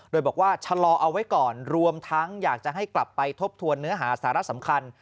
โดยบอกว่าชะลอเอาไว้ก่อนรวมทั้งอยากจะให้กลับไปทบทวนเนื้อหาสาระสำคัญ